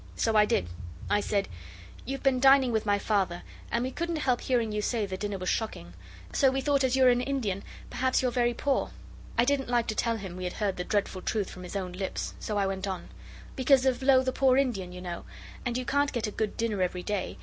So I did. I said 'You've been dining with my Father, and we couldn't help hearing you say the dinner was shocking. So we thought as you're an Indian, perhaps you're very poor' I didn't like to tell him we had heard the dreadful truth from his own lips, so I went on, 'because of "Lo, the poor Indian" you know and you can't get a good dinner every day.